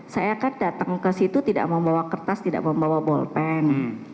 saya kan datang ke situ tidak membawa kertas tidak membawa bolpen